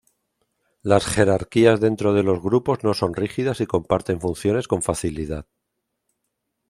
Las jerarquías dentro de los grupos no son rígidas y comparten funciones con facilidad.